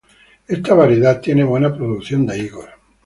Esta variedad tiene buena producción de higos.